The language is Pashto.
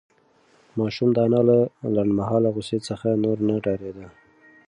ماشوم د انا له لنډمهاله غوسې څخه نور نه ډارېده.